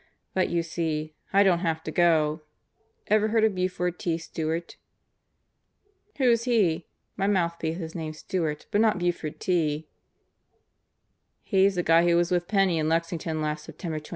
But you see, I don't have to go. Ever hear of Buford T. Stewart?" "Who's he? My mouthpiece is named Stewart, but not Buford T." "He's the guy who was with Penney in Lexington last Septem ber 27.